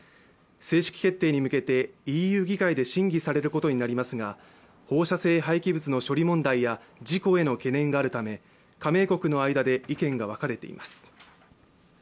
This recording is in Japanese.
正式決定に向けてＥＵ議会で審議されることになりますが放射性廃棄物の処理問題や事故への懸念があるため加盟国の間で意見が分かれています。